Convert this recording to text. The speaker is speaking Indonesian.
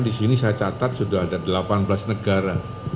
disini saya catat sudah ada delapan belas negara